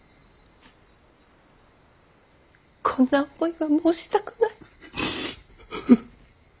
こんな思いはもうしたくない。